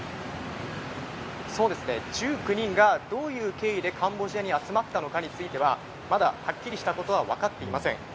１９人がどういう経緯でカンボジアに集まったのかについては、まだはっきりしたことはわかっていません。